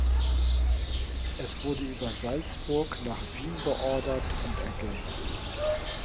Es wurde über Salzburg nach Wien beordert und ergänzt.